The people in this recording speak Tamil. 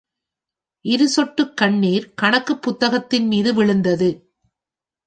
இரு சொட்டுக் கண்ணீர் கணக்குப் புத்தகத்தின் மீது விழுந்தது.